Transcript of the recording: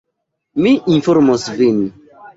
Mi informos vin.